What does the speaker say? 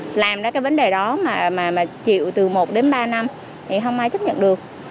thì làm ra cái vấn đề đó mà chịu từ một đến ba năm thì không ai chấp nhận được